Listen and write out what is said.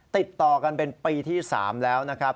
ติดต่อกันเป็นปีที่๓แล้วนะครับ